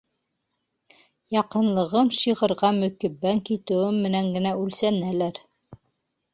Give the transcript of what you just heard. Яҡынлығым шиғырға мөкиббән китеүем менән генә үлсәнәлер.